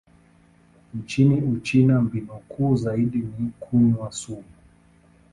Nchini Uchina, mbinu kuu zaidi ni kunywa sumu.